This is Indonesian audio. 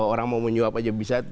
orang mau menyuap aja bisa